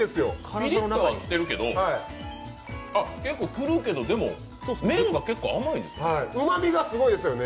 ピリッとはしているけど、結構くるけどでも、麺が甘いんですね。